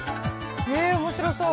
へえ面白そう。